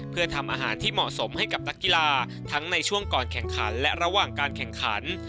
เพื่อทำอาหารที่เหมาะสมให้กับนักกีฬาทั้งในช่วงก่อนแข่งขันและระหว่างการแข่งขัน